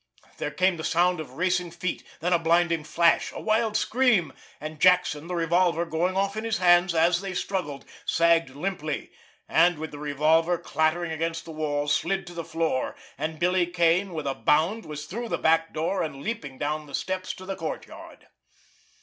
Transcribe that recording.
There came the sound of racing feet. Then a blinding flash—a wild scream. And Jackson, the revolver going off in his hands as they struggled, sagged limply, and, with the revolver clattering against the wall, slid to the floor—and Billy Kane, with a bound, was through the back door, and leaping down the steps to the courtyard.